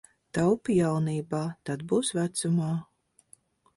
Taupi jaunībā, tad būs vecumā.